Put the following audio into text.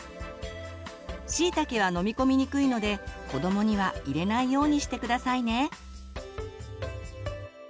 しいたけは飲み込みにくいので子どもには入れないようにして下さいね。